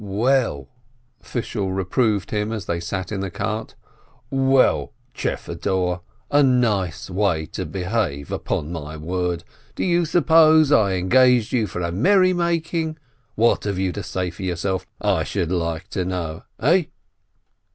"Well," Fishel reproved him as they sat in the cart, "well, Chfedor, a nice way to behave, upon my word ! Do you suppose I engaged you for a merrymaking? What have you to say for yourself, I should like to know, eh?"